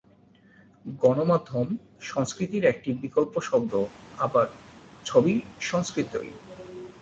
গণমাধ্যম সংস্কৃতির একটি বিকল্প শব্দ আবার "ছবি সংস্কৃতি"।